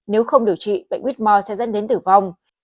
nếu không điều trị bệnh huyết mò sẽ dẫn đến tử vong